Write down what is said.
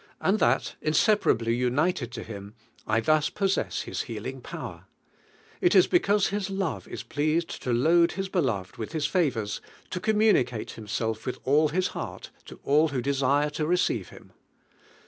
and that, inseparably united to Him, i llnis possess His healing power; it is he cause His love is pleased to load Ilia be loved with His favors, to communicate Himself with all His heart to all who de sire to receive Him.